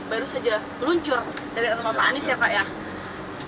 baru saja meluncur dari rumah pak anies ya pak ya